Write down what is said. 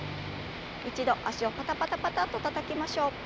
一度脚をパタパタパタッとたたきましょう。